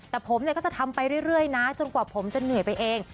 แต่ผมก็จะทำไปเรื่อยนะจนกว่าผมจะเหนื่อยไปเอง